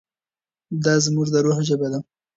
دا زموږ د روح ژبه ده.